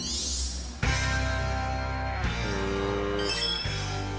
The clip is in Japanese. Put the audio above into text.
へえ。